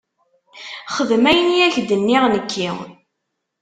Xdem ayen i ak-d-nniɣ nekki.